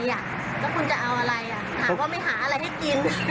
แล้วคุณจะเอาอะไรถามว่าไม่หาอะไรให้กิน